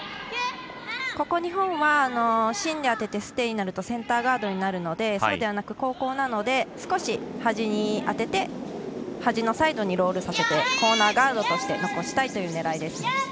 ここ、日本は芯に当ててステイになるとセンターガードになるのでそうではなくて後攻なので少し端に当てて端のサイドにロールさせてコーナーガードとして残したい狙いです。